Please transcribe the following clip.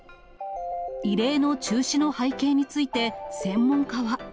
異例の中止の背景について、専門家は。